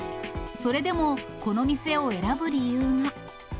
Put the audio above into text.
それでも、この店を選ぶ理由が。